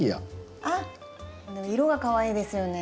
あっ色がかわいいですよね。